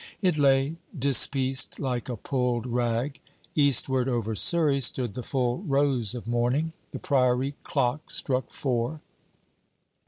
It lay dispieced like a pulled rag. Eastward, over Surrey, stood the full rose of morning. The Priory clock struck four.